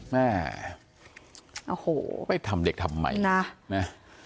แม่โอ้โหไปทำเด็กทำไมนะ